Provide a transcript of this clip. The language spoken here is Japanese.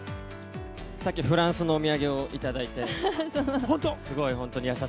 さっき、フランスのお土産を本当？